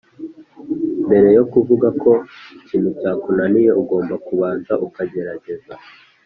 Mbere yokuvugako ikintu cyakunaniye ugomba kubanza ukagerageza